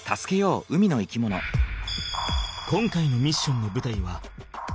今回のミッションのぶたいは海。